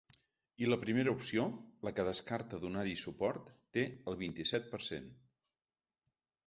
I la primera opció, la que descarta donar-hi suport, té el vint-i-set per cent.